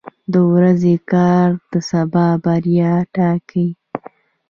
• د ورځې کار د سبا بریا ټاکي.